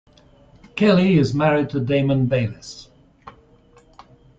Kelly is married to Damon Bayles.